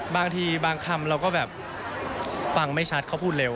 บางทีบางคำเราก็แบบฟังไม่ชัดเขาพูดเร็ว